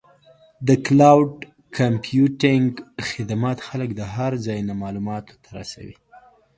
د کلاؤډ کمپیوټینګ خدمات خلک د هر ځای نه معلوماتو ته رسوي.